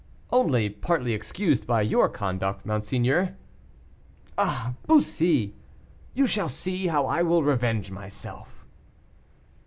"Only partly excused by your conduct, monseigneur." "Ah! Bussy, you shall see how I will revenge myself!"